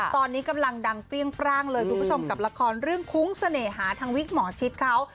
ตอนนี้กำลังดังเปรี้ยงปร่างเลยคุณผู้ชมกับละครเรื่องคุ้งเสน่หาทางวิกหมอชิดเขา